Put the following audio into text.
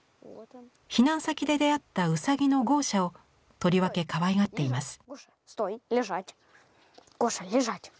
避難先で出会ったうさぎのゴーシャをとりわけかわいがっています。